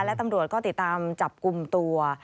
และตำรวจก็ติดตามจับกลุ่มตัว